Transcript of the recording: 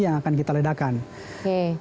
yang akan kita ledakan ke bawah ini